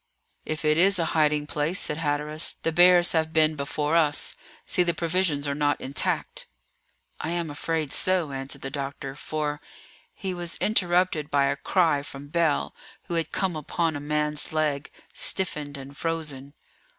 "If it is a hiding place," said Hatteras, "the bears have been before us. See, the provisions are not intact." "I am afraid so," answered the doctor; "for " He was interrupted by a cry from Bell, who had come upon a man's leg, stiffened and frozen.